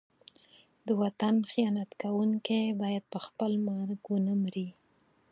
د وطن خیانت کوونکی باید په خپل مرګ ونه مري.